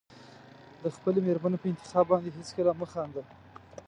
د خپلې مېرمنې په انتخاب باندې هېڅکله مه خانده.